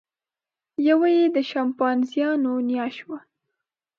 یوه یې د شامپانزیانو نیا شوه.